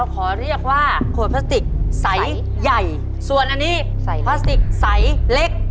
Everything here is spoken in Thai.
พลาสติกใสเล็ก